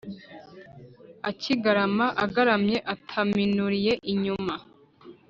ikigarama: agaramye ataminuriye inyuma;